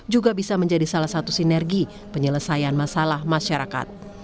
juga bisa menjadi salah satu sinergi penyelesaian masalah masyarakat